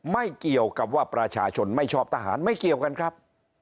ไม่เกี่ยวกับว่าประชาชนไม่ชอบทหารไม่เกี่ยวกันครับ